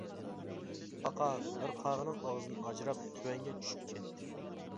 پاقا بىر قاغىنىڭ ئاغزىدىن ئاجراپ تۆۋەنگە چۈشۈپ كەتتى.